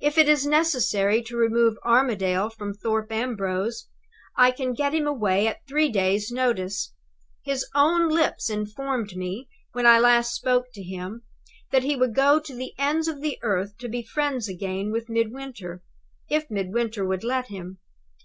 If it is necessary to remove Armadale from Thorpe Ambrose, I can get him away at three days' notice. His own lips informed me, when I last spoke to him, that he would go to the ends of the earth to be friends again with Midwinter, if Midwinter would let him.